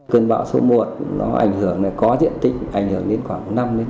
cơn bão số một nó có diện tích ảnh hưởng đến khoảng năm bảy mươi